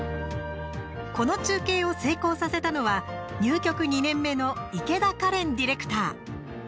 この中継を成功させたのは入局２年目の池田佳恋ディレクター。